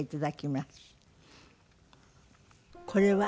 これは？